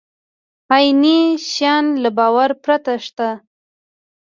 عیني شیان له باور پرته شته.